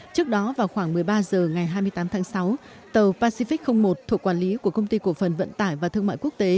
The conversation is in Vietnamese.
trước đó vào khoảng một mươi ba h ngày hai mươi tám tháng sáu tàu pacific một thuộc quản lý của công ty cổ phần vận tải và thương mại quốc tế